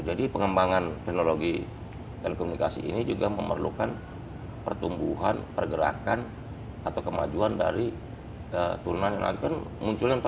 jadi pengembangan teknologi telekomunikasi ini juga memerlukan pertumbuhan pergerakan atau kemajuan dari turunan yang nanti kan munculnya